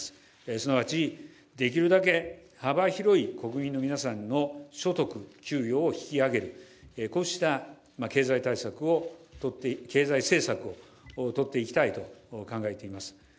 すなわちできるだけ幅広い国民の皆さんの所得・給与を引き上げる、こうした経済政策をとっていきたいと考えています。